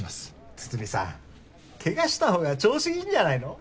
筒見さんケガした方が調子いいんじゃないの？